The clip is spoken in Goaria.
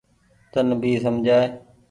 تن ڀي سمجهائي۔